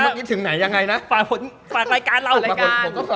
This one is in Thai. เอาบดริ๊ปถึงไหนยังไงนะ